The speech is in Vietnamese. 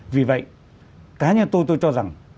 vì vậy cá nhân tôi tôi cho rằng